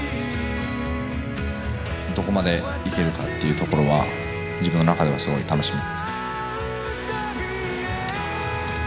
どこまでいけるかっていうところは自分の中ではすごい楽しみ。